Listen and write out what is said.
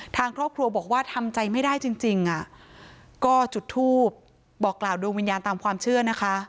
ทางครอบครัวบอกว่าทำใจไม่ได้จริงจริงอ่ะก็จุดทูปบอกกล่าวดวงวิญญาณตามความเชื่อนะคะ